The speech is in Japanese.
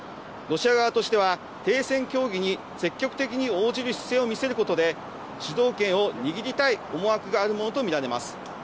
ロシア側としては、停戦協議に積極的に応じる姿勢を見せることで、主導権を握りたい思惑があるものと見られます。